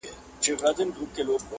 یوه ورځ یې زوی له ځان سره سلا سو!!